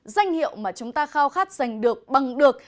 danh hiệu mà chúng ta khao khát giành được bằng được